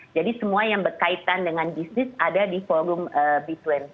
jadi semua yang berkaitan dengan bisnis ada di forum b dua puluh